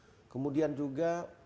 oke kemudian juga